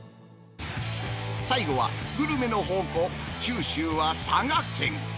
最後はグルメの宝庫、九州は佐賀県。